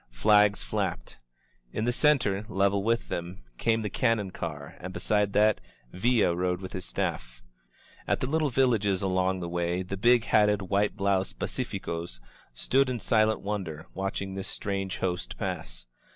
Flags flapped. In the center, level with them, came the cannon car, and beside that Villa rode with his staff. At the little villages along the way the big hatted, white Moused pacificos stood in silent wonder, watch ing this strange host pass.